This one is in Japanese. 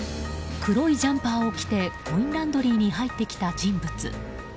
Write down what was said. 黒いジャンパーを着てコインランドリーに入ってきた人物。